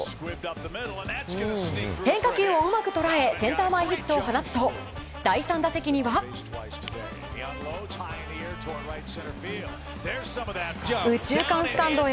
変化球をうまく捉えセンター前ヒットを放つと第３打席には右中間スタンドへ。